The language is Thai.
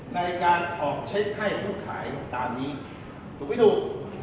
ในการออกเช็คให้ผู้ขายตามนี้ถูกไม่ถูก